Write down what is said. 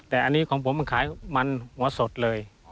แต่อันนี้ของผมมันขายมันหัวสดเลย